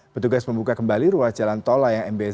petugas membuka kembali ruas jalan tol layang mbz